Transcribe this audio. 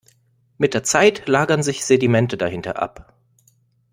Mit der Zeit lagern sich Sedimente dahinter ab.